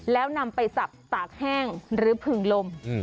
แล้วนำไปสับตากแห้งหรือผึ่งลม